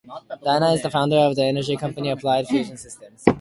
Dinan is the founder of the energy company Applied Fusion Systems.